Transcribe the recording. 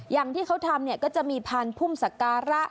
อย่างที่เขาทำเนี่ยก็จะมีพ่านพุ่มศักราตร์